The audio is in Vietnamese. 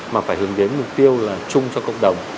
mà phải hướng đến mục tiêu là chung cho cộng đồng